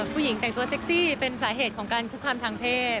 ผู้หญิงแต่งตัวเซ็กซี่เป็นสาเหตุของการคุกคามทางเพศ